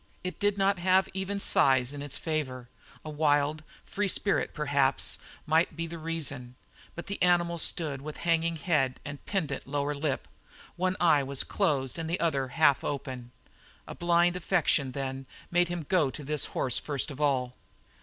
It did not have even size in its favour. A wild, free spirit, perhaps, might be the reason; but the animal stood with hanging head and pendant lower lip. One eye was closed and the other only half opened. A blind affection, then, made him go to this horse first of all.